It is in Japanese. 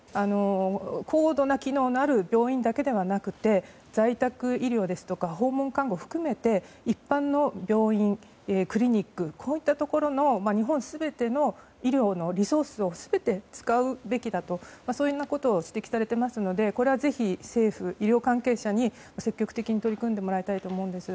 高度な機能のある病院だけではなく在宅医療や訪問看護を含めて一般の病院クリニックこういったところの日本全ての医療のリソースを全て使うべきだとそういうことを指摘されていますのでこれはぜひ、政府、医療関係者に積極的に取り組んでもらいたいと思うんです。